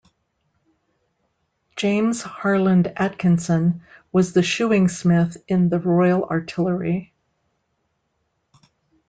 James Harland Atkinson was a Shoeing Smith in the Royal Artillery.